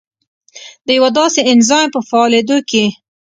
د یوه داسې انزایم په فعالېدو کې